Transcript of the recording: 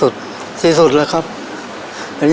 ได้ได้ได้